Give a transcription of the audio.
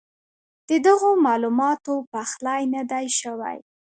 ددغه معلوماتو پخلی نۀ دی شوی